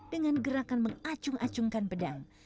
dengan gerakan mengacung acungkan pedang